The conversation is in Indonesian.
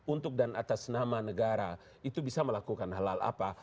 untuk dan atas nama negara itu bisa melakukan hal hal apa